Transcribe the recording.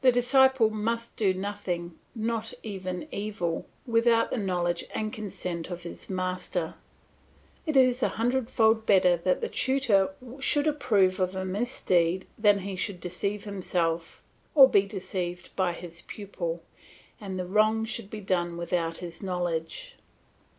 The disciple must do nothing, not even evil, without the knowledge and consent of his master; it is a hundredfold better that the tutor should approve of a misdeed than that he should deceive himself or be deceived by his pupil, and the wrong should be done without his knowledge.